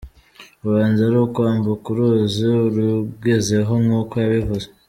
Ubanza ari ukwambuka uruzi arugezeho nk’uko yabivuze.